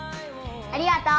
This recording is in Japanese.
ありがとう！